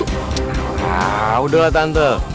nah udahlah tante